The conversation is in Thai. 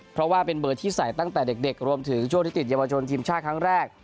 เพราะว่าเป็นเบอร์ที่ใส่ตั้งแต่เด็กรวมถึงช่วงที่ติดเยาวชนทีมชาติครั้งแรก